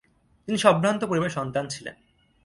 তিনি সম্ভ্রান্ত পরিবারের সন্তান ছিলেন।